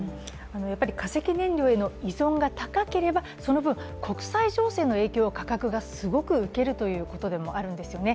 化石燃料への依存が高ければ、その分、国際情勢の影響を価格がすごい受けるということなんですよね。